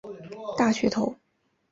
大学头。